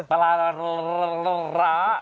ปลาร้าล้า